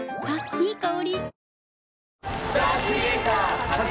いい香り。